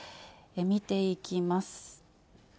見ていきます。